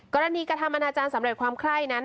กรณีกธรรมนาจารย์สำเร็จความคล่ายนั้น